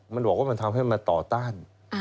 มันบอกว่ามันทำให้มาต่อต้าน